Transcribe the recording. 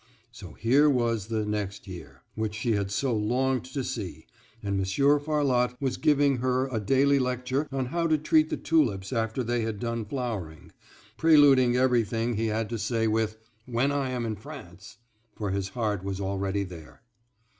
So here was the "next year," which she had so longed to see, and Monsieur Farlotte was giving her a daily lecture on how to treat the tulips after they had done flowering, preluding everything he had to say with, "When I am in France," for his heart was already there.